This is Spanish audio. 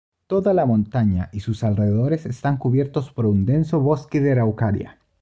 Toda la montaña y sus alrededores están cubiertos por un denso bosque de Araucaria.